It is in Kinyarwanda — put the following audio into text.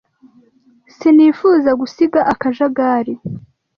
sinifuza gusiga akajagari.